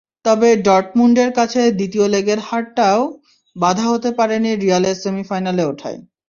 তবে ডর্টমুন্ডের কাছে দ্বিতীয় লেগের হারটাও বাধা হতে পারেনি রিয়ালের সেমিফাইনালে ওঠায়।